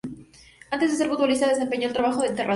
Antes de ser futbolista desempleo el trabajo de enterrador.